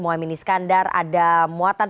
mohamid iskandar ada muatan